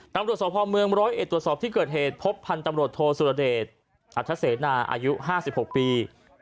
ตำรวจสพเมือง๑๐๑ตรวจสอบที่เกิดเหตุพบพันธ์ตำรวจโทสุรเดชอัธเสนาอายุ๕๖ปี